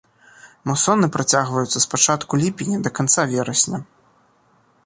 Мусоны працягваюцца з пачатку ліпеня да канца верасня.